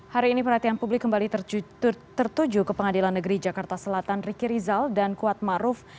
hari ini perhatian publik kembali tertuju ke pengadilan negeri jakarta selatan riki rizal dan kuatmaruf